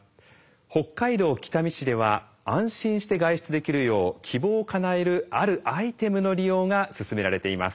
北海道北見市では安心して外出できるよう希望をかなえるあるアイテムの利用が進められています。